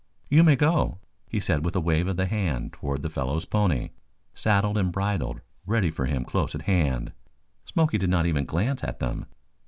"You may go," he said with a wave of the hand toward the fellow's pony, saddled and bridled ready for him close at hand, Smoky did not even glance at them.